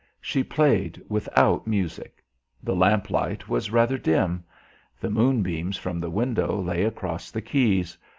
She played without music. The lamplight was rather dim. The moonbeams from the window lay across the keys.